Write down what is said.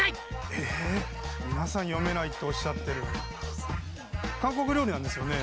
ええ皆さん読めないっておっしゃってる韓国料理なんですよね